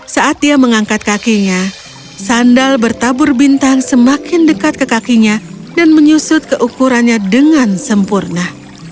saat dia mengangkat kakinya sandal bertabur bintang semakin dekat ke kakinya dan menyusut keukurannya dengan sempurna